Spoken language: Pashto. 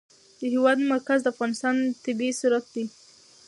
د هېواد مرکز د افغانستان طبعي ثروت دی.